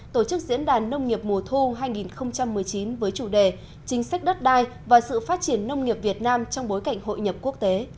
tổ chức diễn đàn nông nghiệp mùa thu hai nghìn một mươi chín với chủ đề chính sách đất đai và sự phát triển nông nghiệp việt nam trong bối cảnh hội nhập quốc tế